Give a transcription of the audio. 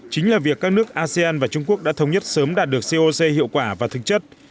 chính là việc các nước asean và trung quốc đã thống nhất sớm đạt được coc hiệu quả và thực chất